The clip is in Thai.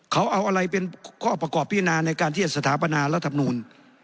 เขาเอาอะไรเป็นข้อประกอบพิจารณาในการที่จะสถาปนารัฐมนูล